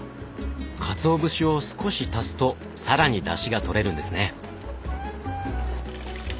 かつお節を少し足すと更にだしがとれるんですね。